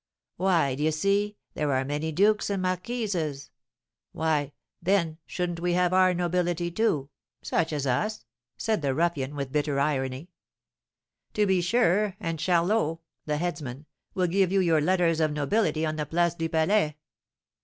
"Why, d'ye see, there are many dukes and marquises. Why, then, shouldn't we have our nobility, too? such as us!" said the ruffian, with bitter irony. "To be sure, and Charlot (the headsman) will give you your letters of nobility on the Place du Palais."